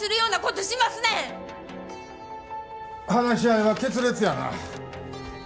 話し合いは決裂やな。